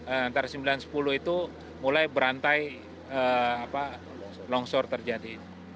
antara sembilan sepuluh itu mulai berantai longsor terjadi